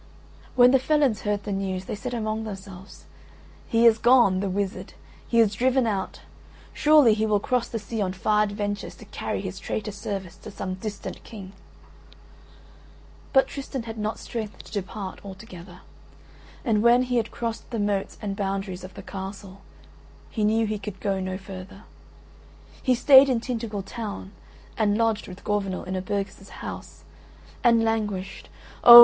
When the felons heard the news they said among themselves, "He is gone, the wizard; he is driven out. Surely he will cross the sea on far adventures to carry his traitor service to some distant King." But Tristan had not strength to depart altogether; and when he had crossed the moats and boundaries of the Castle he knew he could go no further. He stayed in Tintagel town and lodged with Gorvenal in a burgess' house, and languished oh!